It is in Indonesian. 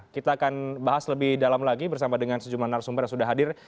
kita akan bahas lebih dalam lagi bersama dengan sejumlah narasumber yang sudah hadir